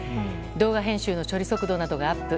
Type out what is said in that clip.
動画編集の処理速度などがアップ。